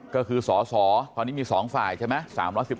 ก็คือสสตอนนี้มี๒ฝ่ายใช่ไหม